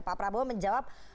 pak prabowo menjawab